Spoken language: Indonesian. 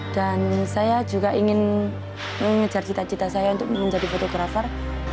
dan saya juga ingin mengejar cita cita saya untuk menjadi fotografer